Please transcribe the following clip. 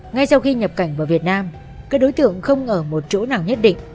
ngay sau khi nhập cảnh vào việt nam các đối tượng không ở một chỗ nào nhất định